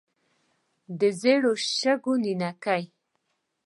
د زري شګو نینکې.